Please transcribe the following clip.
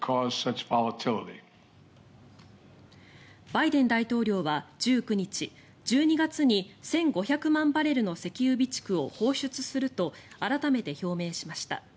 バイデン大統領は１９日１２月に１５００万バレルの石油備蓄を放出すると改めて表明しました。